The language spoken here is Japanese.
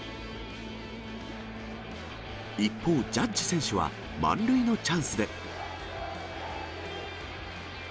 一方、ジャッジ選手は満塁のチャンスで。